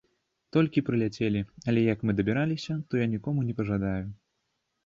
Толькі прыляцелі, але як мы дабіраліся, то я нікому не пажадаю.